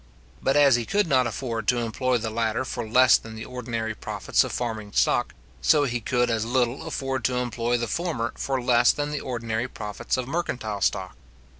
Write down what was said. But as he could not afford to employ the latter for less than the ordinary profits of farming stock, so he could as little afford to employ the former for less than the ordinary profits of mercantile stock.